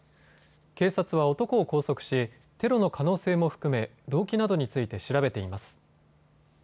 警察は男を拘束しテロの可能性も含め動機などについて調べています。